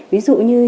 ví dụ như